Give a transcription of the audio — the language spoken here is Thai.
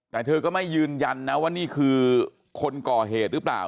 แต่เธอก็ไม่ยืนยันนะว่านี่คือคนก่อเหตุหรือเปล่า